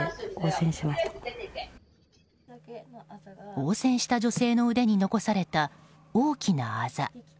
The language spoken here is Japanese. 応戦した女性の腕に残された大きなあざ。